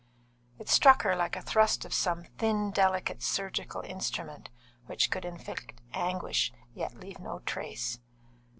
It struck her like a thrust of some thin, delicate surgical instrument which could inflict anguish, yet leave no trace.